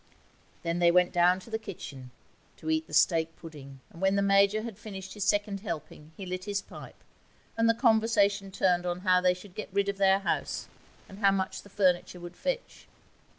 Then they went down to the kitchen to eat the steak pudding; and when the Major had finished his second helping he lit his pipe, and the conversation turned on how they should get rid of their house, and how much the furniture would fetch.